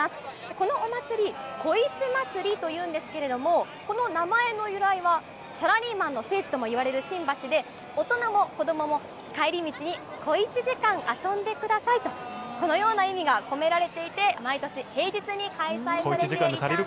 このお祭り、こいち祭というんですけれども、この名前の由来は、サラリーマンの聖地ともいわれる新橋で、大人も子どもも、帰り道に小一時間、遊んでくださいと、このような意味が込められていて、毎年、平日に開催されていたんです。